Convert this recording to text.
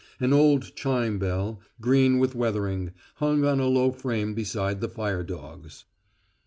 An old chime bell, green with weathering, hung on a low frame beside the firedogs.